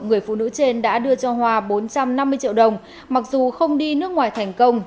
người phụ nữ trên đã đưa cho hòa bốn trăm năm mươi triệu đồng mặc dù không đi nước ngoài thành công